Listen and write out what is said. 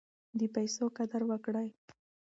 د پیسو قدر وکړئ.